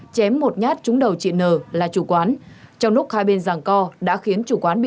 chém một nhát trúng đầu chị n là chủ quán